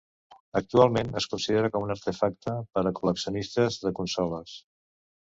Actualment es considera com un artefacte per a col·leccionistes de consoles.